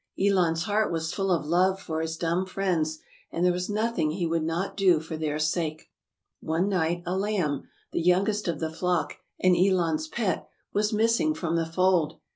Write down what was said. Elon's heart was full A STORY OP THE FIRST CHRISTMAS. 141 of love for his dumb friends, and there was nothing he would not do for their sake. One night, a lamb — the youngest of the flock and Elon^s pet — was missing from the fold.